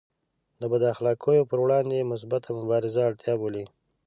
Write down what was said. د بد اخلاقیو پر وړاندې مثبته مبارزه اړتیا بولي.